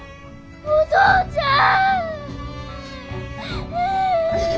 お父ちゃん。